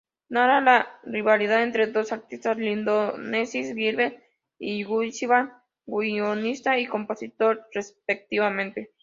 Narra la rivalidad entre dos artistas londinenses: Gilbert y Sullivan, guionista y compositor respectivamente.